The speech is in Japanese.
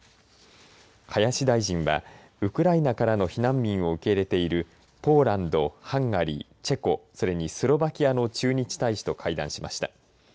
林大臣はウクライナからの避難民を受け入れているポーランド、ハンガリーチェコそれにスロバキアの駐日大使と会談しました。